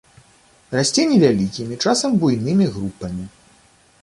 Расце невялікімі, часам буйнымі групамі.